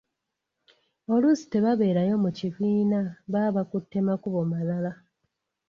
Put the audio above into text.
Oluusi tebabeerayo mu kibiina baba bakutte makubo malala.